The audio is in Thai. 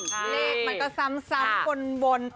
เลขมันก็ซ้ำวน